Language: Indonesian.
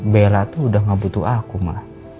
bella tuh udah gak butuh aku mah